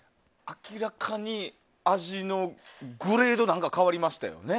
明らかに味のグレード変わりましたよね。